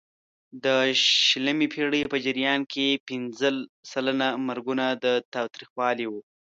د شلمې پېړۍ په جریان کې پینځه سلنه مرګونه د تاوتریخوالي وو.